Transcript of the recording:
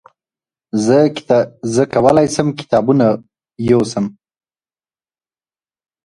زه کولای سم کتابونه وړم!؟